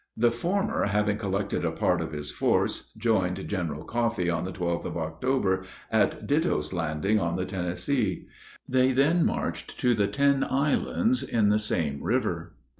The former, having collected a part of his force, joined General Coffee on the 12th of October, at Ditto's landing, on the Tennessee. They then marched to the Ten Islands, in the same river.